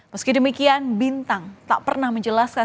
meski demikian bintang tak pernah menjelaskan